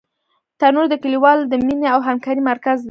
تنور د کلیوالو د مینې او همکارۍ مرکز دی